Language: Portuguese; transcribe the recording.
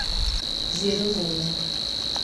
Jerumenha